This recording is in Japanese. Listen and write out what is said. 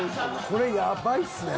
これやばいっすね。